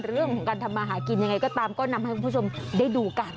เรื่องของการทำมาหากินยังไงก็ตามก็นำให้คุณผู้ชมได้ดูกัน